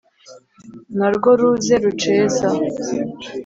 narwo ruze ruceza